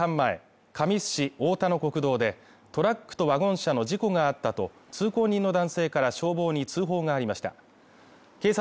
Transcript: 午前７時半前神栖市太田の国道でトラックとワゴン車の事故があったと通行人の男性から消防に通報がありました。